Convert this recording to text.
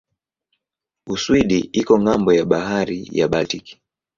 Uswidi iko ng'ambo ya bahari ya Baltiki.